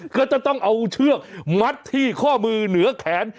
ก็จะต้องเอาเชือกมัดที่ข้อมือเหนือแขน